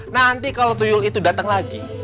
nanti kalau tuyung itu datang lagi